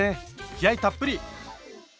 気合いたっぷり！